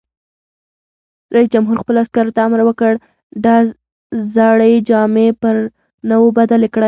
رئیس جمهور خپلو عسکرو ته امر وکړ؛ زړې جامې پر نوو بدلې کړئ!